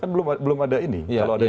kalau ada dinamik